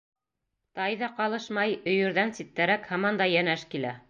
Тай ҙа ҡалышмай, өйөрҙән ситтәрәк һаман да йәнәш килә.